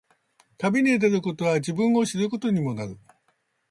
旅に出ることは、自分を知ることにもなる。